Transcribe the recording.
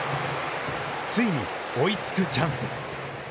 ついに追いつくチャンス。